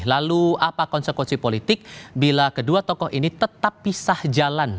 lalu apa konsekuensi politik bila kedua tokoh ini tetap pisah jalan